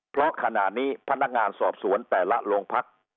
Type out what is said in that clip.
เพราะขณะนี้พนักงานสอบสวนแต่ละโรงพัก